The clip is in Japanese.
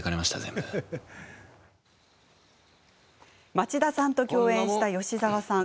町田さんと共演した吉沢さん。